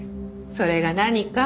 それが何か？